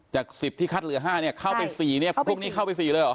จาก๑๐ที่คัดเหลือ๕เนี่ยเข้าไป๔เนี่ยพวกนี้เข้าไป๔เลยเหรอ